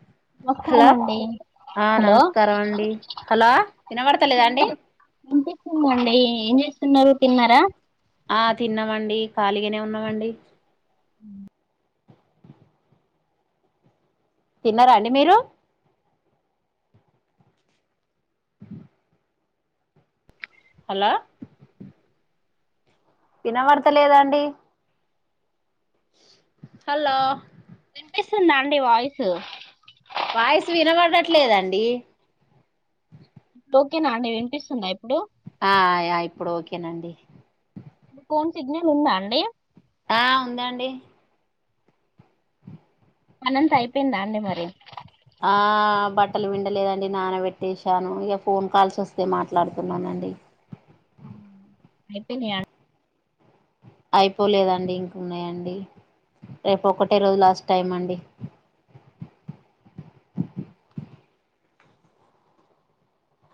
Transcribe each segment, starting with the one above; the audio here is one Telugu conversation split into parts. [unintelligible] హలో మండీ ఆ నమస్కారం అండి హలో వినబడతలేదా అండి ఇనిపిస్తుందండి ఏం చేస్తున్నారు తిన్నారా ఆ తిన్నామండి ఖాళిగనే ఉన్నామండి అ తిన్నరా అండి మీరు హలో ఇనవడ్తలేదండి హల్లో ఇన్పిస్తుందా అండి వాయిసు వాయసు ఇనబడట్లేదండీ టోకేనా అండి వినిపిస్సుందా ఇప్పుడు ఆయా ఇప్పుడు ఓకేనండి ఫోన్ సిగ్నల్ ఉందా అండి ఆ ఉందండి పనంతా అయిపోయిందా అండి మరి ఆ బట్టలు విండలేదండి నాన వెట్టేసాను, ఇగ ఫోన్ కాల్స్ వస్తే మాట్లాడుతున్నాను. అండి అయిపొయిన అయిపోలేదండి ఇంకున్నయండి రేపు ఒకటే రోజు లాస్ట్ టైం అండి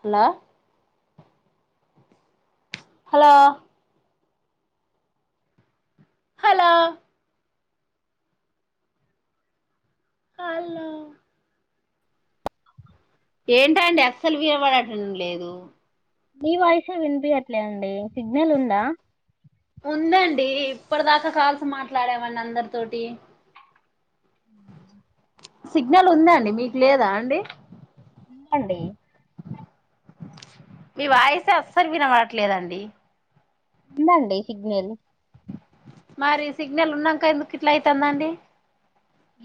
హలో హలో హలో అలో ఏంటండి అస్సలు వినవడటం లేదు మీ వాయిసే వినిపియట్లే అండి సిగ్నల్ ఉందా ఉందండీ, ఇప్పడి దాకా కాల్స్ మాట్లాడా వాన్నందరితోటి. సిగ్నల్ ఉందా అండి మీకు లేదా అండి అండి మీ వాయిస్ అస్సలు వినవట్లేదండి ఉందండి సిగ్నల్ మరీ సిగ్నల్ ఉన్నంక ఎందుకు ఇట్లా అయితందండి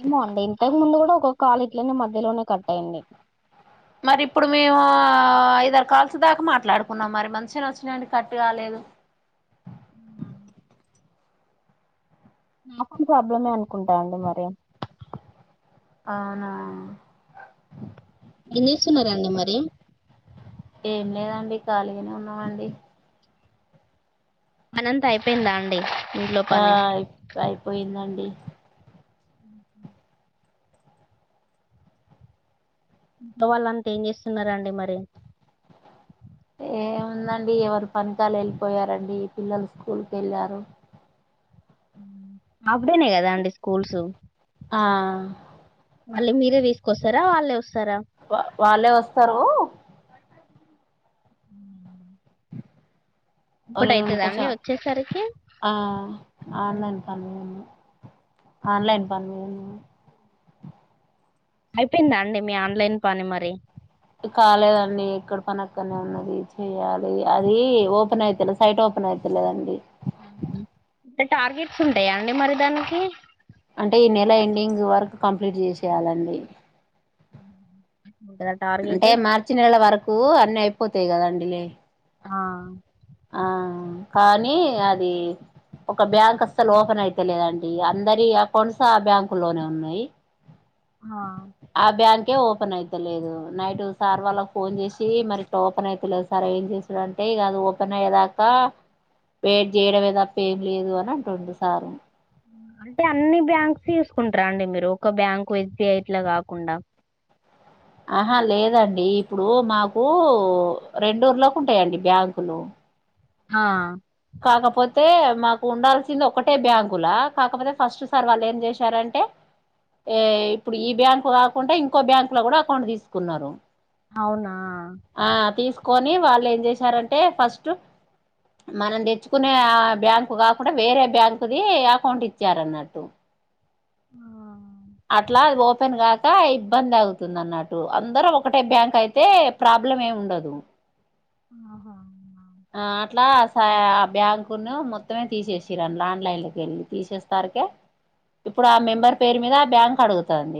ఏమో అండి ఇంతకు ముందు గూడా ఒక కాల్ ఇట్లనే మధ్యలోనే కట్టైంది. మరి ఇప్పుడు మేమూ ఆ ఐదారు కాల్స్ దాకా మాట్లాడుకున్నాం మరి మంచినే ఒచ్చినయండి కట్టు గాలేదు. [unintelligible] ప్రాబ్లమే అనుకుంటా అండి మరి అవునా ఏం చేస్తున్నారండి మరి ఏం లేదండి ఖాళిగనే ఉన్నామండి పనంతా అయిపోయిందా అండి ఇంట్లో ఆ పని ఇప్ అయిపోయిందండి వాళ్ళంత ఏం జేస్సున్నారండి మరి ఏవ్ ఉందండి ఎవరు పనికి ఆల్ ఎళ్ళిపోయారండి పిల్లలు స్కూల్కి ఎళ్ళారు. హాఫ్ డేనే కదా అండి స్కూల్స్ ఆ మళ్ళీ మీరే తీసుకొస్తారా వాళ్ళే వస్తారా వా వాళ్ళే వస్తారు ఉ అరకాంచ అండి వచ్చేసరికి ఆ ఆన్లైన్ పన్ము ఆన్లైన్ పన్ము అయిపోయిందా అండి మీ ఆన్లైన్ పని మరి కాలేదండి ఇక్కడ పనక్కనే ఉన్నది చెయాలి అది ఓపెన్ అయితు సైట్ ఓపెన్ పన్ అవుతులేదండి అంటే టార్గెట్స్ ఉంటాయా అండి మరి దానికి అంటే ఈ నెల ఎండింగ్ వరకు కంప్లీట్ చేసేయాలండి ఉంటుందా అంటే టార్గెట్ మార్చి నెలల వరకు అన్నీ అయిపోతాయి కదాండడిలే ఆా ఆ కానీ అది ఒక బ్యాంక్ అసలు ఓపెన్ అయితేలేదండి అందరి అకౌంట్స్ ఆ బ్యాంకు లోనే ఉన్నాయి ఆ బ్యాన్ ఓపెన్ అయితలేదు నైట్ సార్ వాళ్ళ ఫోన్ చేసి మరి ఇ ఓపెన్ అయితలేదు సార్ ఏం చేసాడుంటే కాదు ఓపెన్్యదాకా వే చేయడం ఏదాప్ప ఏం లేదు అని అంట రండు సార్ అంటే అన్ని బ్యాంక్స్ చూసుకుంటారా అండి మీరు ఒక బ్యాంక్ ఎస్బిఐట్లా కాకుండా ఆహా లేదండి ఇప్పుడు మాకు రెంూర్లోకి ఉంటాయంండి బ్యాంకులు హా కాకపోతే మాకు ఉండాల్సింది ఒకటే బ్యాంకు లా కాకపోతే ఫస్ట్ సార్ వాళ్ళు ఏం చేశారంటే ఏ ఇప్పుడు ఈ బ్యాంకు కాకుండా ఇంకో బ్యాంకు లో కూడా అకౌంట్ తీసుకున్నారు అవునా ఆ తీసుకొని వాళ్ళు ఏం చేసారంటే ఫస్ట్ మనం తెచ్చుకునే ఆ బ్యాంకు కాకుండా వేరే బ్యాంకుది అకౌంట్ ఇచ్చార అన్నట్టు ఆ అట్లా అది ఓపెన్ గాక ఇబ్బంది అవుతుంది అన్నట్టు అందరూ ఒకటే బ్యాంక్ అయితే ప్రాబ్ ప్రబ్లమే ఉండదు ఆహా ఆ అట్లా ఆ బ్యాంకును మొత్తమే తీసేసిరం ఆన్లైన్ లోకి వెళ్ళి తీసేస్తా కే ఇప్పుడు ఆ మెంబర్ పేరు మీద ఆ బ్యాంకు అడుగుతుం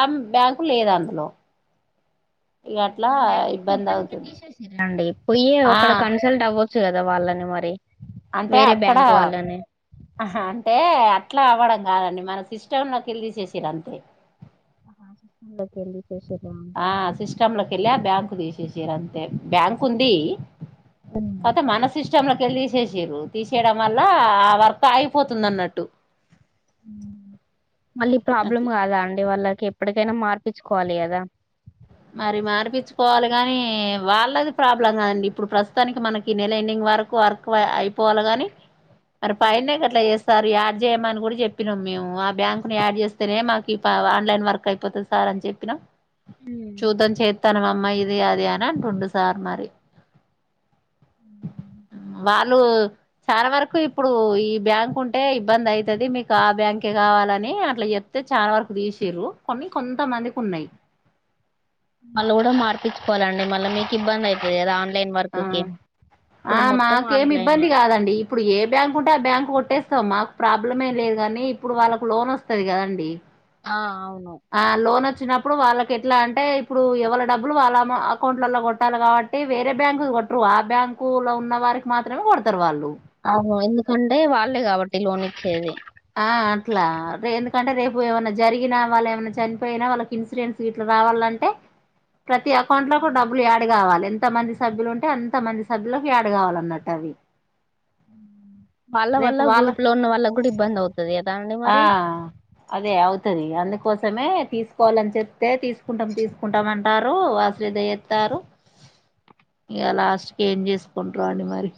ఆ బ్యాంకు లేదు అందులో ఇక అట్లా బ్యాంక్ ఇబ్బంది మొత్తనికి అవుతుంది తీసేండి పోయే ఆ అక్కడ కన్సల్ట్ అవ్వ వచ్చు కదా వాళ్ళని మరి అంటే వేరే అక్కడ బ్యాంక్ వాళ్ళని అంటే అట్లా అవ్వడం కాదండి మన సిస్టమ్ంలోకి వెళ్ తీసేసిర అంతే లిష ఆ సిస్టమ్ లోకిెళ్ళి ఆ బ్యాంకు తీసేసారు అంతే బ్యాంకు ఉంది అత మనసిృష్ట తీసేసారు తీసేయడం వల్ల ఆ వర్క్ అయిపోతుంది అన్నట్టు మళ్ళీ ప్రాబ్లం అట్లా కాదా అండి వాళ్ళ ఎప్పటికైనా మార్పించుకోవాలి కదా మరి మార్పచ్చుకోవాలి కాని వాళ్ళది ప్రాబ్లం కాదండి ఇప్పుడు ప్రస్తుతానికి మనకి నెల ఎండింగ్ వరకు వర్క్ అయిపోవాలి గాని మరి పైనకట్లా చేస్తారు యాడ్ చేయమని కూడా చెప్పినాం మేము ఆ బ్యాంకు ని యాడ్ చేస్తేనే మాకు ఈ ఆన్లైన్ వర్క్ అయిపోతుంది సార్ అని చెప్పినా చూద్దం చేత్తనమ్మా, ఇది అది అని అంటుండు సార్ మరి. వాళ్లు, చాలా వరకు ఇప్పుడు ఈ బ్యాంక్ ఉంటే ఇబ్బంది అయితది. మీకు ఆ బ్యాంక్ ఇగ కావాలని అట్లా చెప్తే, చాలా వరకు దీసిరు. కొన్ని కొంతమందికి ఉన్నాయి. మళ్ల గూడా మార్పించుకోవాలండి. మళ్ల మీకు ఇబ్బంది అయితది గదా? ఆ ఆ, మాకేమి ఇబ్బంది ఆన్లైనే కాదండి. ఇప్పుడు ఏం? బ్యాంక్ ఉంటే ఆ బ్యాంక్ కొట్టేస్తాం. మాకు ప్రాబ్లమే లేదు గానీ, ఇప్పుడు వాళ్ళకి లోన్ వస్తుంది కదండీ. ఆ, అవును. ఆ, లోన్ వచ్. వచ్చినప్పుడు వాళ్లకి ఎట్లా అంటే, ఇప్పుడు ఎవళ డబ్బులు వాళ్ల అకౌంట్లలో కొట్టాలి కాబట్టి వేరే బ్యాంకుది. కొటారు ఆ బ్యాంకు లో ఉన్న వారికి మాత్రమే కొత్త డతారు వాళ్ళు అవును, ఎందుకంటే వాళ్లే గాబట్టి లోన్ ఇచ్చేది. ఆ, అట్లా రే. ఎందుకంటే రేపు ఏమన్నా జరిగినా, వాళ్ల ఏమన్నా చనిపోయినా, వాళ్లకి ఇన్సూరెన్స్ గిట్లా! రావాలంటే, ప్రతి అకౌంట్ లోకు డబ్బులు యాడ్ కావాలే, ఎంత? ఎంత మంది సభ్యులు ఉంటే, అంత మంది సభ్యులకు యాడ్ కావాలన్నట్టు అవి. వాళ్ల వల్ల, రేపు వాళ్ళ గ్రూప్ లో ఉన్న వాళ్ల గూడ ఇబ్బంది అవుత్. ఆ, అదే అవుతది అందుకు. కోసమే తీసుకోవాలని చెప్తే, తీసుకుంటాం, తీసుకుంటాం అంటారు. అశ్రద్ధా ఎత్తారు. ఇగ లాస్ట్‌కి ఏం చేసుకుంటారో అండి, మరి.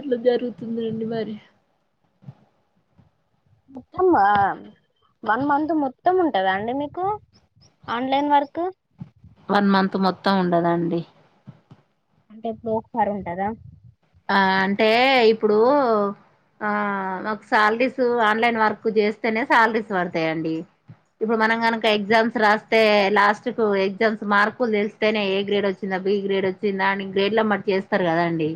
అట్లా జరుగుతుందండి, మరి. మొత్తం మా వన్ మంత్ మొత్తం, ఉంటుందా అండి మీకు? Online work. వన్ మంత్ మొత్తం, ఉండదండి. అంటే, ఎప్పుడో ఒకసారి ఉంటదా? ఆ, అంటే ఇప్పుడు.. ఆ, మాకు శాలరీస్ ఆన్లైన్ వర్క్ జేస్తేనే శాలరీస్ వడతాయండి. ఇప్పుడు మనం గనక ఎగ్జామ్స్ రాస్తే, లాస్ట్. లాస్ట్ కు ఎగ్జామ్స్ మార్కులు తెస్తేనే, ఏ గ్రేడ్ వచ్చిందా, బి గ్రేడ్ వచ్చిందా, అని గ్రేడ్ లేమటి జేస్తారు కదా అండి.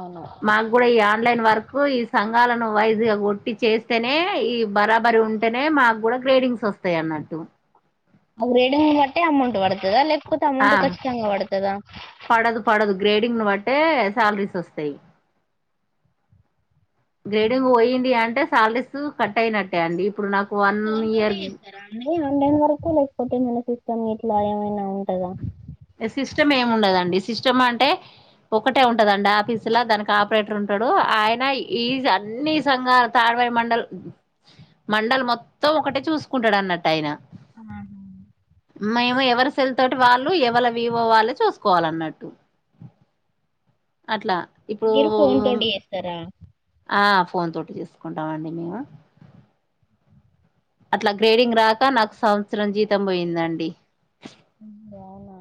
అవును మాకు గూడా, ఈ ఆన్‌లైన్ వర్క్ ఈ సం. సంఘాలను వైజ్ గా కొట్టి చేస్తేనే, ఈ బరాబర్ ఉంటేనే, మాకు గూడా గ్రేడింగ్స్ వస్తాయి అన్నట్టు. ఆ గ్రేడింగ్ బట్టే అమౌంట్ వడతదా, లేకపోతే ఆ అమౌంట్ ఖచ్చితంగా వడతదా? గ్రేడింగ్‌ను బట్టే శాలరీలు వస్తాయి. గ్రేడింగ్ వోయింది అంటే, శాలరీలు కట్ అయినట్టే అండి. ఇప్పుడు నాకు నీ వన్ ఫోన్‌తోటే ఇయర్ జేస్తారండి, ఆన్‌లైన్ వర్క్. లేకపోతే ఏమన్నా? సిస్టమ్ గిట్లా ఏమైనా, ఉంటదా? ఏ సిస్టమ్ ఏం ఉండదండి, సిస్టమ్ అంటే? ఒక్కటే ఉంటదండి ఆఫీసులా, దానికి ఆపరేటర్ ఉంటాడు. ఆయన ఈజ్ అన్ని సంఘాల త అరవై మండల్ మండల్ మొత్తం, ఒకటే చూసుకుంటాడు అన్నట్టు ఆయన. ఆ [unintelligible] మాయేమో, ఎవరు సెల్ తోటి వాళ్లు ఏ? వాళ్ల వివో వాళ్లే, చూసుకోవాలన్నట్టు అట్లా. ఇప్పుడూ. మీరు ఫోన్ తోటి చేస్తారా ఆ, ఫోన్‌తోటే చేసుకుంటాం అండి, మేము. అట్లా గ్రేడింగ్ రాక, నాకు సంవత్సరం జీతం పోయిందండి. ఓ, అవునా?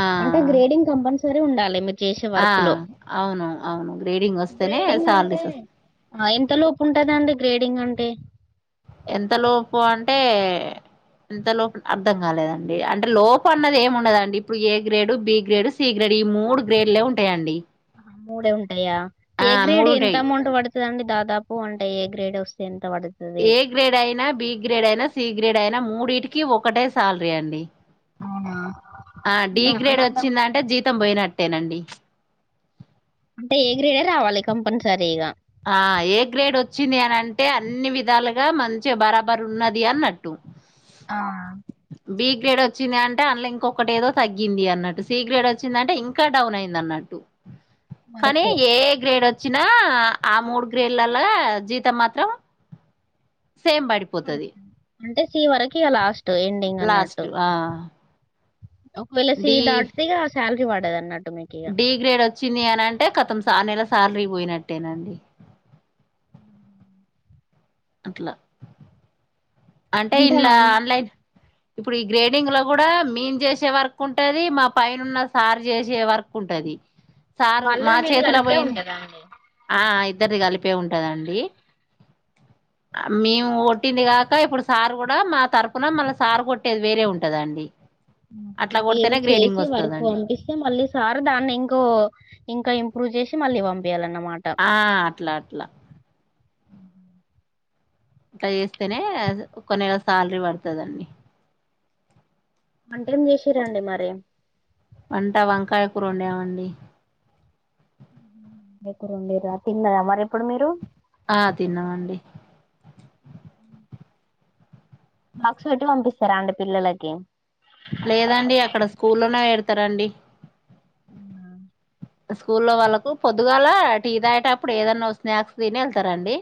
ఆ అంటే గ్రేడింగ్ కంపల్సరీ ఉండాలి మీరు? చేసే ఆ, వర్క్ లో అవును అవును. గ్రేడింగ్ వస్తేనే గ్రేడింగ్ అంటే శాలరీస్ వస్తాయి. ఆ, ఎంత లోపు ఉంటదండి గ్రేడింగ్ అంటే? ఎంత లోపు అంటే? ఎంత లోపల అర్థం కాలేదండి. అంటే, లోప్ అన్నది ఏం ఉండదండి. ఇప్పుడు A grade, B grade, C grade. మూడు గ్రేడ్లే ఉంటాయండి మూడే ఉంటాయా ఆ ఏ గ్రేడ్ మూడు ఎంత ఉంటాయి అమౌంట్ పడుతుందండి దాదాపు అంటే ఏ గ్రేడ్ వస్తేంత ఏ గ్రేడ్ అయినా బి గ్రేడ్ అయినా సి గ్రేడ్ అయినా మూడిటికి ఒకటే సాలరీ అండి అవునా ఆ డి గ్రేడ్ వచ్చిందంటే జీతం పోయినట్టే అట్టేనండి అంటే ఏ గ్రీడే రావాలి కంపల్సరీ ఇగా ఆ ఏ గ్రేడ్ వచ్చింది అని అంటే అన్ని విధాలుగా మంచిగా బరాబర్ ఉన్నది అన్నట్టు ఆ బి గ్రేడ్ వచ్చింది అంటే అందులో ఇంకొకటి ఏదో తగ్గింది అన్నట్టు సి గ్రేడ్ వచ్చిందింటే ఇంకా డౌన్ అయింది అన్నట్టు కానీ వర్క్ ఏ గ్రేడ్ వచ్చినా ఆ మూడు గ్రేళ్లలాగా జీతం మాత్రం సేమ్ పడిపోతుది అంటే సి వరకు లాస్ట్ ఎండింగ్ అన్నట్టు లాస్ట్ ఆ ఒకవేళ సీ డి దాటితేగా శాలరీ పడదు అన్నట్టు మీకు ఇక డి గ్రేడ్ వచ్చింది అని అంటే కతం నెల శాలరీ పోయినట్టేనండి అట్లా అంటే ఇంలా ఆన్లైన్ ఇప్పుడు ఈ గ్రేడింగ్ లో కూడా మీేన్ చేసే వర్క్ ఉంటది మా పైనన్న సార్ చేసే వర్క్ ఉంటది సారు మా వాళ్ళది మీది చేతిలో కలిపే పోయింది ఉంటుందండి ఆ ఇద్దరిది కలిపి ే ఉంటదండి మేము కొట్టిందిగా ఇంకా ఇప్పుడు సారు కూడా మా తరపున మళ్ళీ సారు కొట్టేది వేరే ఉంటదండి అట్లా మీరు కొడితేనే గ్రేడింగ్ చేసి వర్కు వస్తదండి పంపిస్తే మళ్ళీ సార్ దాన్ని ఇంకో ఇంకా ప్రప్పుూవ చేసి మళ్ీవాం ఆ అట్లా అట్లా ఇట్లా చేస్తేనే కొ నెల శాలరీ పడుతుందండి వంట ఎం చేసిరండి మరి వంట వంకాయ కూర ఉండేమండి గ్రు ఉండడిరు తిన్నారా మరి ఎప్పుడు మీరు ఆ తిన్నవండి బాక్స్ పెట్టి పంపిస్తారా ఆండి పిల్లలకి లేదండి అక్కడ స్కూల్లోన ఏడతారండి ఆ స్కూ లో వాళ్ళకు పొద్దుగాల టీ తాయేటప్పుడు ఏదన్నా స్నాక్స్ తిని వెళ్తారండి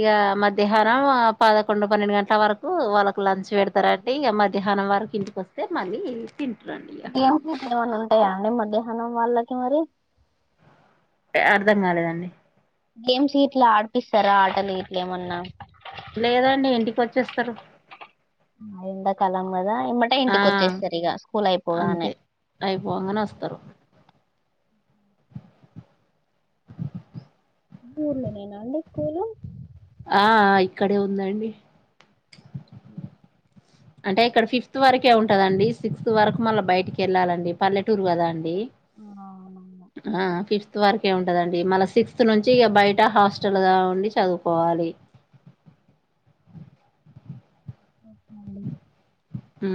ఇకా మధ్య మధ్యాహ్నం పదకొండు పన్నెండు గంటల వరకు వాళ్ళకు లంచ్ పెడతారంటే ఇక మధ్యాహ్నం వకు అకింటికి వస్తే మళ్ళీ తింటారండి గేమ్స్ ఏమన్నా ఉంటాయా అండి మధ్యాహ్నం వాళ్ళకి మరి అర్థం కాలేదండి గేమ్స్ గ ఇట్లా ఆడిపిస్తారా ఆటలు గట్లా ఏమన్నా లేదండి ఇంటికి వచ్చేస్తారు ఆ ఎండకాలం కదా ఇమ్మట ఆ ఇంటికి వచ్చేసరి ఇక స్కూల్ అయిపోగానే అయిపోగానే వస్తారు ఊర్లోనేేనుంద స్కూలు ఆ ఇక్కడే ఉందండి అంటే ఇక్కడ ఫిఫ్త్ వరకే ఉంటదండి సిక్స్త్ వరకు మళ్ళా బయటికి వెళ్ళాలండి పల్లెటూరు కదా అండి అవునవును ఆ ఫిఫ్త్ వరకే ఉంటదండి మళ సిక్స్త్ నుంచి ఇ బయట హాస్టల్గా ఉండి చదువుకోవాలి ఆ